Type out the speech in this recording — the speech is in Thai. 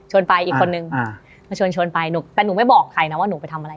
ไปอีกคนนึงมาชวนชวนไปหนูแต่หนูไม่บอกใครนะว่าหนูไปทำอะไร